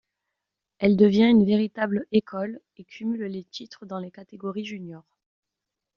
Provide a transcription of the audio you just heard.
Elle devient une véritable école et cumule les titres dans les catégories juniors.